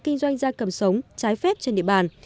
kinh doanh da cầm sống trái phép trên địa bàn